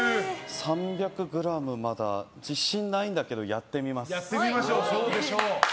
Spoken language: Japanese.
３００ｇまだ自信ないんだけどやってみます。